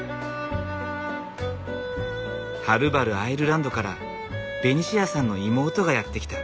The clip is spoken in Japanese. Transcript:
はるばるアイルランドからベニシアさんの妹がやって来た。